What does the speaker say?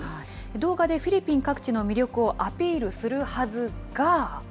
動画でフィリピン各地の魅力をアピールするはずが。